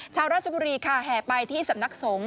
ชาวราชบุรีค่ะแห่ไปที่สำนักสงฆ